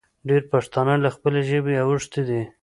ډېر پښتانه له خپلې ژبې اوښتې دي